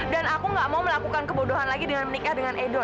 dan aku nggak mau melakukan kebodohan lagi dengan menikah dengan edo